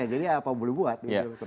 jadi apa boleh buat